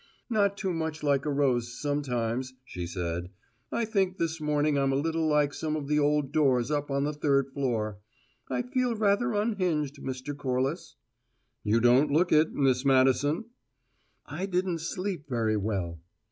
"Not too much like a rose, sometimes," she said. "I think this morning I'm a little like some of the old doors up on the third floor: I feel rather unhinged, Mr. Corliss." "You don't look it, Miss Madison!" "I didn't sleep very well."